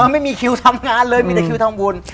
ไม่มีคิวทำงานเลยมีแต่คิวทำบุญ